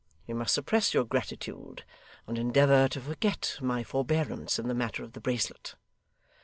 You must suppress your gratitude, and endeavour to forget my forbearance in the matter of the bracelet.